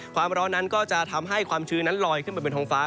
ความร้อนนั้นก็จะทำให้ความชื้นนั้นลอยขึ้นไปบนท้องฟ้า